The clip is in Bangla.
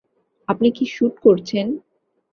আপনি কি শুট করছেন?